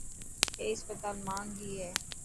اي هسپتال ماهنگي هي.